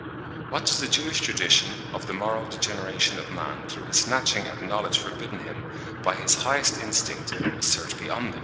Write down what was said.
What does the Jewish tradition of the moral degeneration of man through his snatching at a knowledge forbidden him by his highest instinct assert beyond this?")